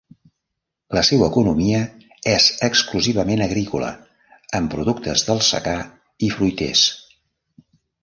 La seua economia és exclusivament agrícola amb productes del secà i fruiters.